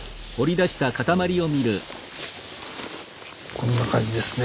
こんな感じですね。